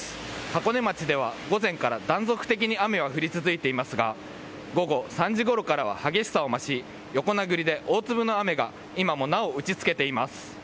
箱根町では午前から断続的に雨は降り続いていますが午後３時ごろからは激しさを増し横殴りで大粒の雨が今もなお打ち付けています。